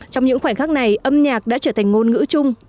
trong những khoảnh khắc này âm nhạc đã trở thành ngôn ngữ chung